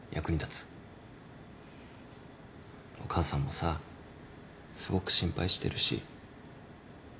お母さんもさすごく心配してるし。